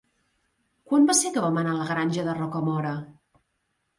Quan va ser que vam anar a la Granja de Rocamora?